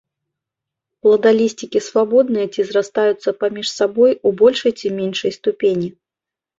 Пладалісцікі свабодныя ці зрастаюцца паміж сабой у большай ці меншай ступені.